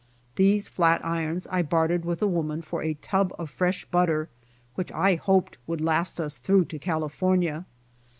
These flat irons I bartered with a woman for a tub of fresh butter which I hoped would last us through to California.